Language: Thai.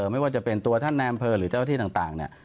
ไม่ว่าจะเป็นตัวท่านแนมเผอหรือเจ้าหน้าที่ต่าง